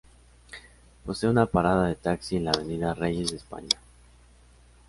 Posee una parada de taxi en la avenida Reyes de España.